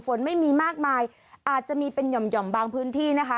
ฝนไม่มีมากมายอาจจะมีเป็นหย่อมบางพื้นที่นะคะ